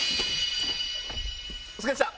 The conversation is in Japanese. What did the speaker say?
お疲れっした！